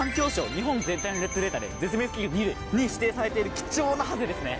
日本全体のレッドデータで絶滅危惧類に指定されている貴重なハゼですね。